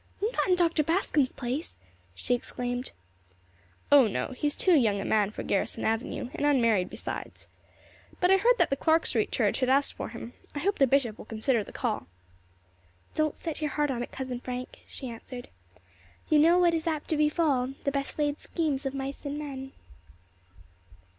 "Not in Dr. Bascom's place," she exclaimed. "O no, he is too young a man for Garrison Avenue, and unmarried besides. But I heard that the Clark Street Church had asked for him. I hope the bishop will consider the call." "Don't set your heart on it, Cousin Frank," she answered. "You know what is apt to befall 'the best laid schemes of mice and men.'"